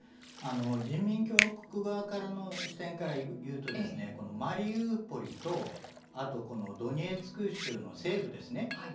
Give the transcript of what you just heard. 人民共和国側からの視点から言うとマリウポリとあとドニエツク州の西部ですね